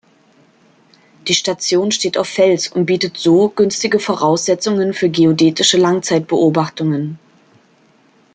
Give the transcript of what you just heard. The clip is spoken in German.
Die Station steht auf Fels und bietet so günstige Voraussetzungen für geodätische Langzeitbeobachtungen.